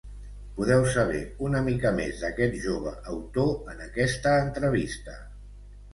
Podeu saber una mica més d’aquest jove autor en aquesta entrevista.